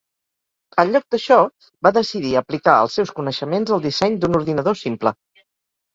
En lloc d'això, va decidir aplicar els seus coneixements al disseny d'un ordinador simple.